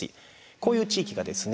こういう地域がですね